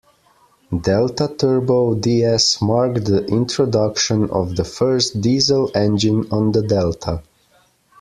Delta turbo ds marked the introduction of the first diesel engine on the Delta.